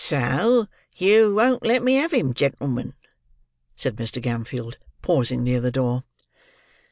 "So you won't let me have him, gen'l'men?" said Mr. Gamfield, pausing near the door.